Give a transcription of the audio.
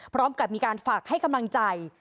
พร้อมกับมีการฝากให้กำลังใจ